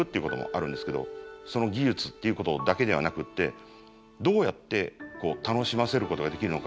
その技術っていうことだけではなくってどうやって楽しませることができるのか。